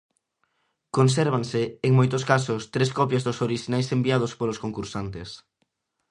Consérvanse, en moitos casos, tres copias dos orixinais enviados polos concursantes.